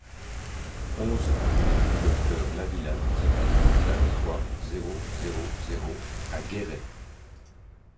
onze rue du Docteur Lavillatte, vingt-trois, zéro zéro zéro à Guéret